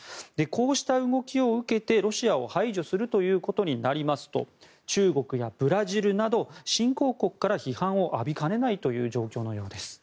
こうした動きを受けてロシアを排除するということになりますと中国やブラジルなど新興国から批判を浴びかねない状況のようです。